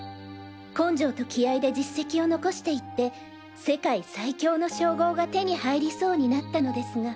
根性と気合で実績を残していって世界最強の称号が手に入りそうになったのですが。